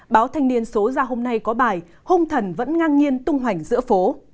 báo thanh niên số ra hôm nay có bài hung thần vẫn ngang nhiên tung hoành giữa phố